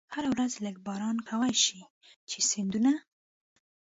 هره ورځ لږ باران کولای شي چې سیندونه.